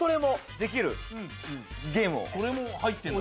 今これも入ってるの？